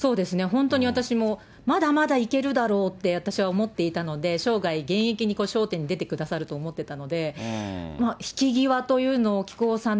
本当に私も、まだまだいけるだろうって私は思っていたので、生涯現役に、笑点に出てくださると思ってたんで、引き際というのを木久扇さん